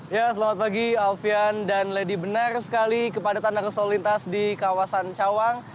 ya selamat pagi alfian dan lady benar sekali kepadatan arus lalu lintas di kawasan cawang